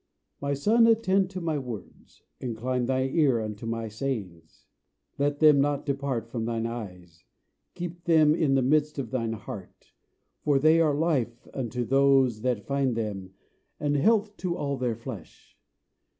My son, attend to my words; incline thine ear unto my sayings. Let them not depart from thine eyes; keep them in the midst of thine heart. For they are life unto those that find them and health to all their flesh.